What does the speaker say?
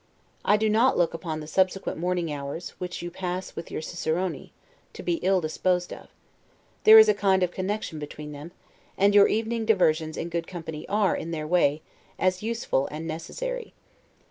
I do not look upon the subsequent morning hours, which you pass with your Ciceroni, to be ill disposed of; there is a kind of connection between them; and your evening diversions in good company are, in their way, as useful and necessary.